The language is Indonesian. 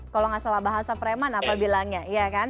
kalau tidak salah bahasa preman apa bilangnya